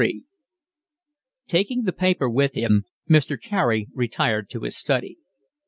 LIII Taking the paper with him Mr. Carey retired to his study.